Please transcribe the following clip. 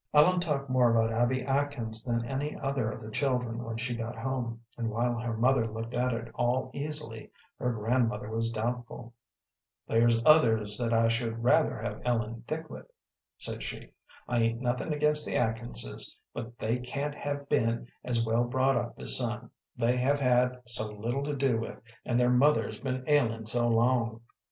Ellen talked more about Abby Atkins than any other of the children when she got home, and while her mother looked at it all easily, her grandmother was doubtful. "There's others that I should rather have Ellen thick with," said she. "I 'ain't nothin' against the Atkinses, but they can't have been as well brought up as some, they have had so little to do with, and their mother's been ailin' so long."